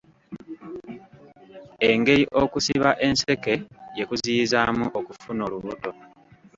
Engeri okusiba enseke gye kuziyizaamu okufuna olubuto.